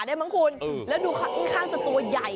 แล้วดูข้างข้างตัวใหญ่